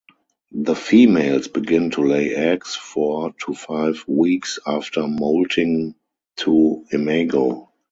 The females begin to lay eggs four to five weeks after moulting to imago.